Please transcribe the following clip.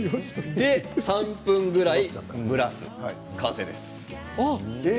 ３分くらい蒸らす、完成です。